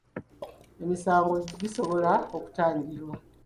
Emisango gisobola okutangirwa.